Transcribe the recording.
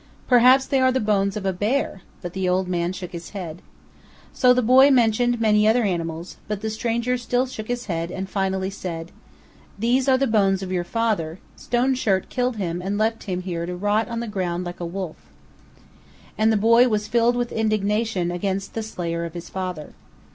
"Perhaps they are the bones of a bear"; but the old man shook his head. So the boy mentioned many other animals, but the stranger still shook his head, and finally said, "These are the bones of your father; Stone Shirt killed him and left him to rot here on the ground like a wolf." And the boy was filled with indignation against the slayer of his father.